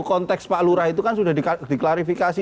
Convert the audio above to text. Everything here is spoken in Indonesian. konteks pak lurah itu kan sudah diklarifikasi